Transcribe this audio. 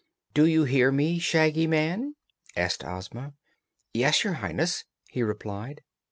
"Do you hear me, Shaggy Man?" asked Ozma. "Yes, Your Highness," he replied.